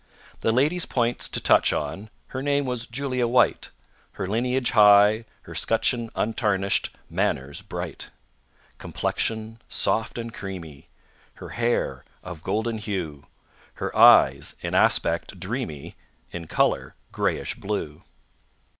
The lady's points to touch on, Her name was JULIA WHITE, Her lineage high, her scutcheon Untarnished; manners, bright; Complexion, soft and creamy; Her hair, of golden hue; Her eyes, in aspect, dreamy, In colour, greyish blue.